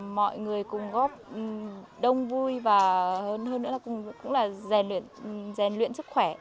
mọi người cùng góp đông vui và hơn nữa là cũng là rèn luyện sức khỏe